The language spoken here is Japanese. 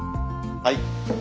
はい。